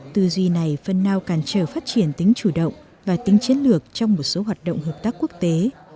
tư duy này phần nào cản trở phát triển tính chủ động và tính chiến lược trong một số hoạt động hợp tác quốc tế